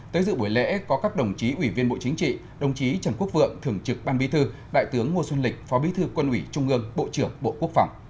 tới dự buổi lễ có các đồng chí ủy viên bộ chính trị đồng chí trần quốc vượng thường trực ban bí thư đại tướng ngô xuân lịch phó bí thư quân ủy trung ương bộ trưởng bộ quốc phòng